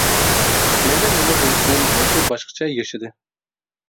مەيلى نېمە بولسۇن مۇشۇ باشقىچە ياشىدى.